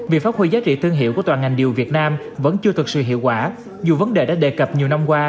việc phát huy giá trị thương hiệu của toàn ngành điều hành